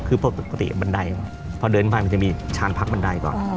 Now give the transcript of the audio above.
คือปกติบันไดพอเดินไปมันจะมีชานพักบันไดก่อน